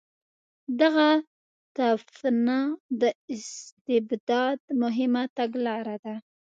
دغه تپنه د استبداد مهمه تګلاره ده.